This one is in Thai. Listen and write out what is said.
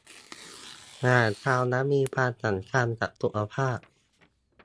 อาหารเช้านั้นมีความสำคัญกับสุขภาพ